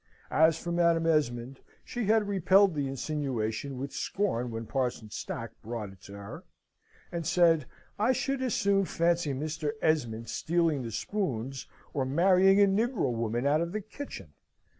As for Madam Esmond, she had repelled the insinuation with scorn when Parson Stack brought it to her, and said, "I should as soon fancy Mr. Esmond stealing the spoons, or marrying a negro woman out of the kitchen."